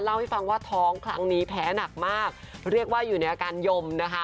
เล่าให้ฟังว่าท้องครั้งนี้แพ้หนักมากเรียกว่าอยู่ในอาการยมนะคะ